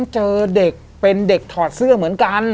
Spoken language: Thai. เจอเด็กเป็นเด็กถอดเสื้อเหมือนกัน